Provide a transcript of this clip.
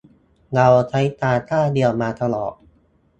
เราใช้ตาข้างเดียวมาตลอด